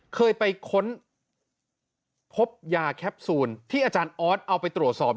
เคยไปค้นพบยาแคปซูลที่อาจารย์ออสเอาไปตรวจสอบ